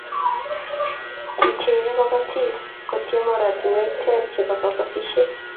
Kicherei kobotik kotiem oratinwek ter chebo kobotisiet